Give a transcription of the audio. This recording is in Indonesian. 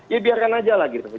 ya biarkan aja lah gitu